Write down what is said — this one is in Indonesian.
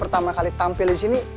pertama kali tampil di sini